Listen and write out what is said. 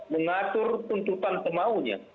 mengatur tuntutan pemahunya